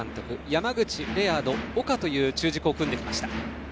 山口、レアード、岡という中軸を組んできました。